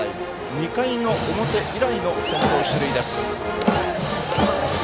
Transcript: ２回の表以来の先頭出塁です。